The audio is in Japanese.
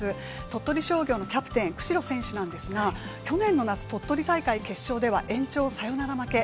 鳥取商業のキャプテン久城選手なんですが去年の夏、鳥取大会決勝では延長サヨナラ負け。